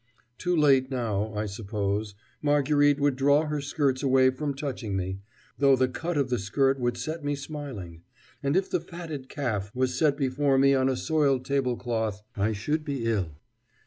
'" Too late now, I suppose. Marguerite would draw her skirts away from touching me, though the cut of the skirt would set me smiling; and, if the fatted calf was set before me on a soiled table cloth, I should be ill.